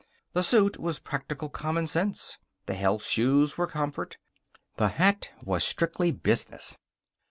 The suit was practical common sense. The health shoes were comfort. The hat was strictly business.